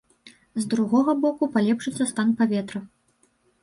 З другога боку, палепшыцца стан паветра.